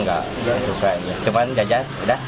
enggak suka aja cuma jajan udah